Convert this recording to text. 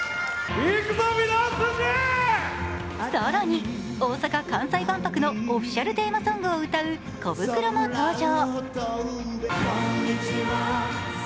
更に大阪・関西万博のオフィシャルテーマソングを歌うコブクロも登場。